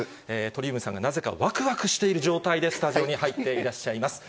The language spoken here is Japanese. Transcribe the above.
鳥海さんがなぜかわくわくしている状態で、スタジオに入っていらっしゃいます。